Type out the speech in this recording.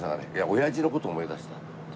「おやじの事を思い出した」って。